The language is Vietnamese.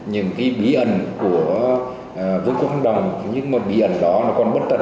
những bí ẩn của vương quốc hoang động nhưng mà bí ẩn đó còn bất tận